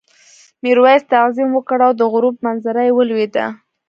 میرويس تعظیم وکړ او د غروب منظره یې ولیده.